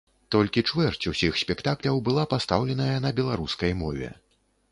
Толькі чвэрць усіх спектакляў была пастаўленая на беларускай мове.